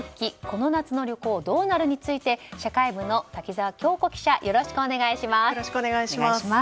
この夏の旅行どうなる？について社会部の滝沢教子記者よろしくお願いします。